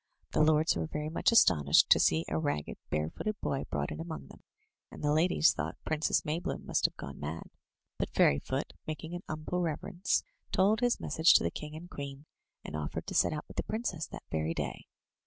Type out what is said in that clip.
The lords were very much astonished to see a ragged, bare footed boy brought in among them, and the ladies thought Princess Maybloom must have gone mad; but Fairyfoot, making an humble reverence, told his message to the king and queen, and offered to set out with the princess that very day.